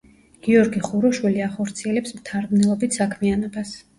გიორგი ხუროშვილი ახორციელებს მთარგმნელობით საქმიანობას.